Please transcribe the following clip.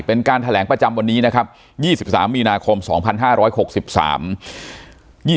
เป็นการแถลงประจำวันนี้นะครับยี่สิบสามมีนาคมสองพันห้าร้อยหกสิบสาม